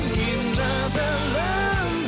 gila dalam hati